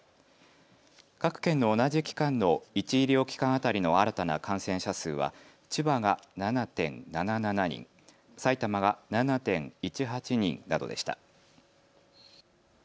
各県の同じ期間の１医療機関当たりの新たな感染者数は千葉が７．７７人、埼玉は７．１８人などでした。